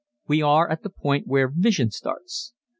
We are at the point where vision starts.